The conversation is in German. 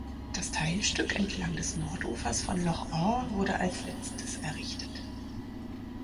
Das Teilstück entlang des Nordufers von Loch Awe wurde als letztes errichtet.